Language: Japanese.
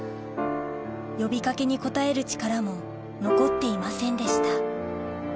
呼び掛けに応える力も残っていませんでした